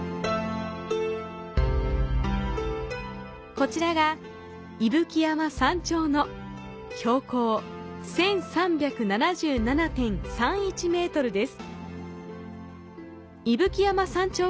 こちらが伊吹山山頂の標高１３７７．３１ｍです。